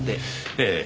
ええ。